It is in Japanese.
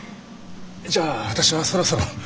じゃあ私はそろそろ。